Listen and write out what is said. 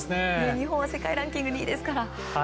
日本は世界ランキング２位ですから。